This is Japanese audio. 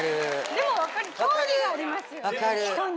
でも興味がありますよね人に。